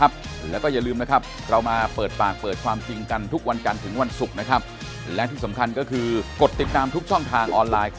เพราะเราทำถูกกฎหมาย